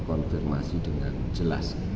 konfirmasi dengan jelas